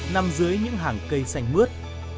nằm dưới những hàng cây xanh mướt